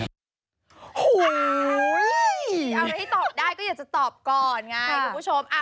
เอ้ยเอาอะไรที่ตอบได้ก็อยากจะตอบก่อนไงครับคุณผู้ชมอ่า